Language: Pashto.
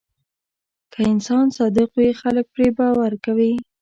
که انسان صادق وي، خلک پرې باور کوي.